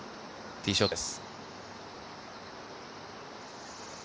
ティーショットです。